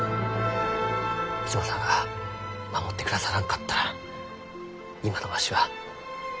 逸馬さんが守ってくださらんかったら今のわしはありません。